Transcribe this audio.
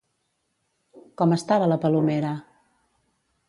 Com estava la Palomera?